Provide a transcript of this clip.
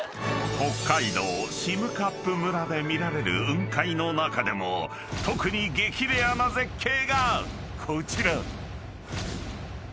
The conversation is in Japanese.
［北海道占冠村で見られる雲海の中でも特に激レアな絶景がこちら］